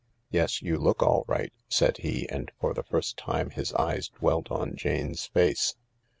" Yes, you look all right," said he, and for the first time his eyes dwelt on Jane's face.